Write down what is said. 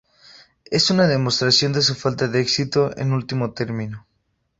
es una demostración de su falta de éxito en último término